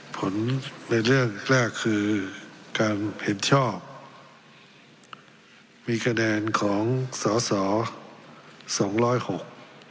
ผลในเรื่องแรกคือการเห็นชอบมีคะแนนของสอสอสองร้อยหก